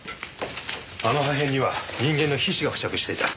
あの破片には人間の皮脂が付着していた。